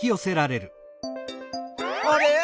あれ？